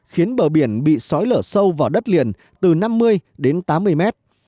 khiến bờ biển bị sói lở sâu vào đất liền từ năm mươi đến tám mươi mét